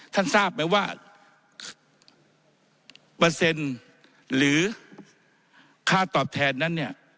ท่านทราบไหมว่าเปอร์เซ็นต์หรือค่าตอบแทนนั้น